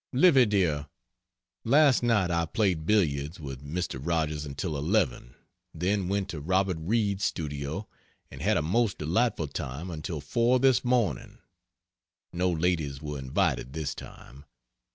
Livy dear, last night I played billiards with Mr. Rogers until 11, then went to Robert Reid's studio and had a most delightful time until 4 this morning. No ladies were invited this time.